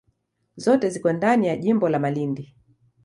Zote ziko ndani ya jimbo la Malindi.